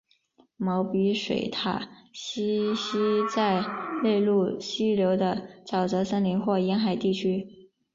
毛鼻水獭栖息在内陆溪流的沼泽森林或沿海地区。